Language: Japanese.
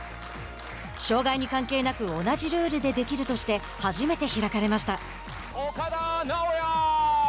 障害に関係なく同じルールでできるとして初めて開かれました。